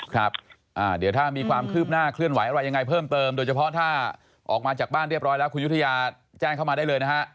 ครับเดี๋ยวถ้ามีความคืบหน้าเคลื่อนไหวอะไรยังไงเพิ่มเติมโดยเฉพาะถ้าออกมาจากบ้านเรียบร้อยแล้วคุณยุธยาแจ้งเข้ามาได้เลยนะฮะ